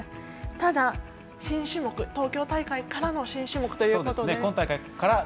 ただ、東京大会からの新種目ということで。